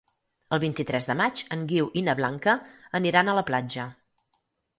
El vint-i-tres de maig en Guiu i na Blanca aniran a la platja.